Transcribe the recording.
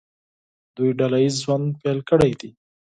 دوی ډله ییز ژوند پیل کړی دی.